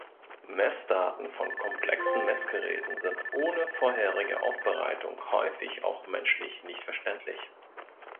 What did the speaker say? Messdaten von komplexen Messgeräten sind ohne vorherige Aufbereitung häufig auch menschlich nicht verständlich.